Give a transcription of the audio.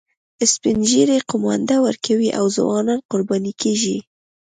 سپین ږیري قومانده ورکوي او ځوانان قرباني کیږي